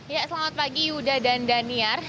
ya selamat pagi yuda dan daniar